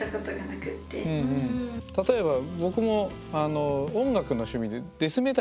例えば僕も音楽の趣味でへえ！